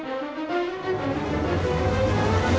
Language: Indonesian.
lo sudah nunggu